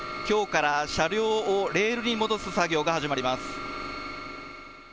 きょうから車両をレールに戻す作業が始まります。